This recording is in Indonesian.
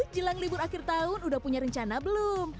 jelang libur akhir tahun udah punya rencana belum